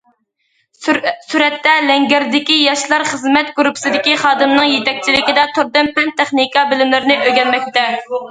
سۈرەتتە: لەڭگەردىكى ياشلار خىزمەت گۇرۇپپىسىدىكى خادىمنىڭ يېتەكچىلىكىدە، توردىن پەن- تېخنىكا بىلىملىرىنى ئۆگەنمەكتە.